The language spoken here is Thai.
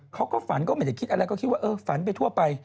เขาก็ฝันก็ไม่ได้คิดอะไรก็คิดว่าเออฝันไปทั่วไป